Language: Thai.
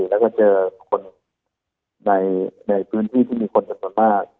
แล้วก็เจอคนในพื้นที่ที่มีคนจำนวนมาก